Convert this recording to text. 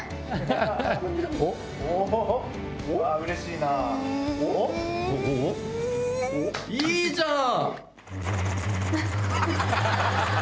いいじゃん！